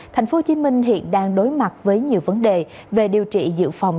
thành phố hồ chí minh hiện đang đối mặt với nhiều vấn đề về điều trị dự phòng